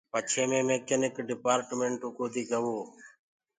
پڇي مي ميڪينيڪل ڊپآرٽمنٽو ڪودي گو۔